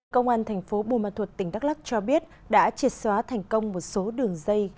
công an thành phố buôn ma thuật tỉnh đắk lắc cho biết đã triệt xóa thành công một số đường dây